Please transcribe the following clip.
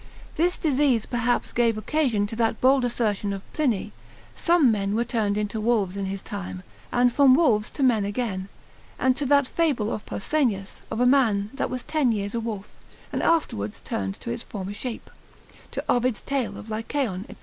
This disease perhaps gave occasion to that bold assertion of Pliny, some men were turned into wolves in his time, and from wolves to men again: and to that fable of Pausanias, of a man that was ten years a wolf, and afterwards turned to his former shape: to Ovid's tale of Lycaon, &c.